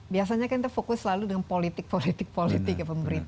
biasanya kan kita fokus selalu dengan politik politik politik